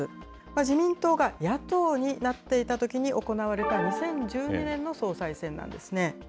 自民党が野党になっていたときに行われた２０１２年の総裁選なんですね。